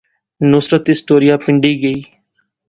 نصرت اس ٹوریا پنڈی گئی